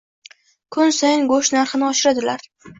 Kun sayin go`sht narxini oshiradilar